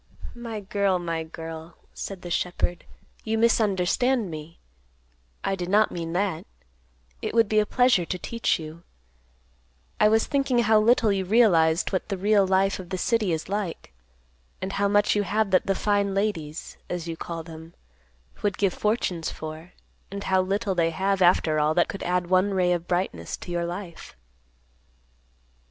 "My girl, my girl," said the shepherd, "you misunderstand me. I did not mean that. It would be a pleasure to teach you. I was thinking how little you realized what the real life of the city is like, and how much you have that the 'fine ladies,' as you call them, would give fortunes for, and how little they have after all that could add one ray of brightness to your life."